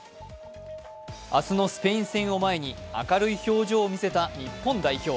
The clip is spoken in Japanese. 明日のスペイン戦を前に明るい表情を見せた日本代表。